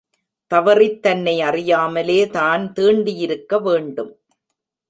தவறித் தன்னை அறியாமலே தான் தீண்டியிருக்க வேண்டும்.